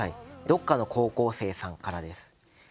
どっかの高校生さんからです。